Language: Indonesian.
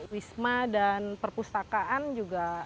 wisma dan perpustakaan juga